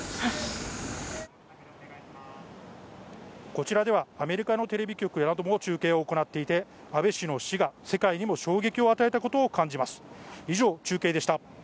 こちらではアメリカのテレビ局なども中継を行っていて、安倍氏の死が世界にも衝撃を与えたことを感じます。